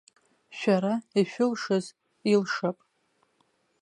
Шәара ишәылшаз илшап.